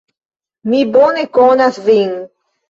Mi bone konas Vin!